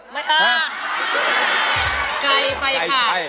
ไกลไปค่ะ